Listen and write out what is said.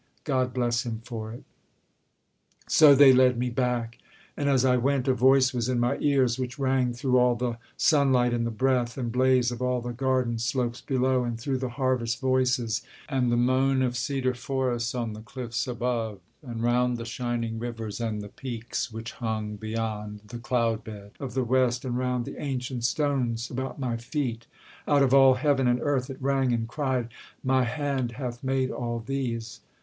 God bless him for it! So they led me back: And as I went, a voice was in my ears Which rang through all the sunlight, and the breath And blaze of all the garden slopes below, And through the harvest voices, and the moan Of cedar forests on the cliffs above, And round the shining rivers, and the peaks Which hung beyond the cloud bed of the west, And round the ancient stones about my feet. Out of all heaven and earth it rang, and cried, 'My hand hath made all these.